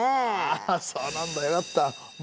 ああそうなんだよかった。